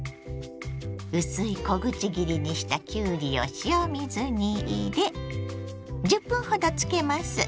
薄い小口切りにしたきゅうりを塩水に入れ１０分ほどつけます。